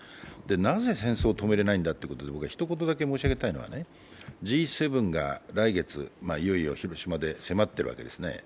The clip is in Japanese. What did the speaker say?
なぜ戦争を止めれないのか、ひと言だけ申し上げたいのはＧ７が来月、いよいよ広島で迫っているわけですね。